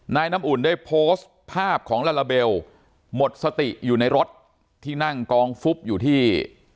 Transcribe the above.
น้ำอุ่นได้โพสต์ภาพของลาลาเบลหมดสติอยู่ในรถที่นั่งกองฟุบอยู่ที่